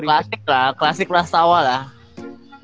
klasik lah klasik pras tau lah